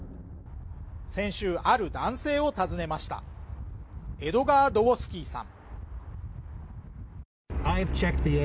先週ある男性を訪ねましたエドガー・ドウォスキーさん